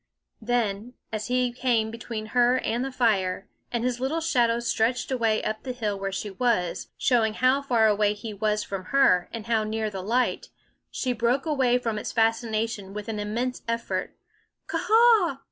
Then, as he came between her and the fire, and his little shadow stretched away up the hill where she was, showing how far away he was from her and how near the light, she broke away from its fascination with an immense effort: Ka a a h!